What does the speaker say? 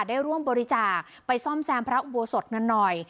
ได้ร่วมบริจาคไปซ่อมแซมพระอุโบสถกันหน่อย